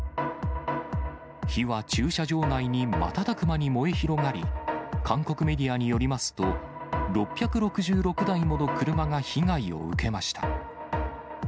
火は駐車場内に瞬く間に燃え広がり、韓国メディアによりますと、６６６台もの車が被害を受けました。